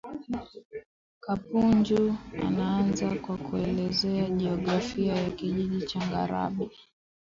Kapunju anaanza kwa kuelezea jiografia ya Kijiji cha Ngarambi